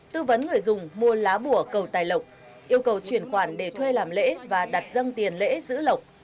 tư vấn người dùng mua lá bùa cầu tài lộc yêu cầu chuyển khoản để thuê làm lễ và đặt dân tiền lễ giữ lộc